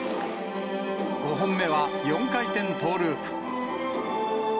５本目は４回転トーループ。